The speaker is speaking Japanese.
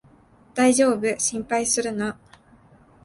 だいじょうぶ、心配するな